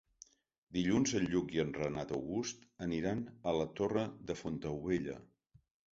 Dilluns en Lluc i en Renat August aniran a la Torre de Fontaubella.